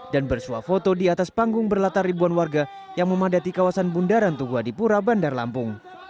dan bersuap foto di atas panggung berlatar ribuan warga yang memadati kawasan bundaran tugua dipura bandar lampung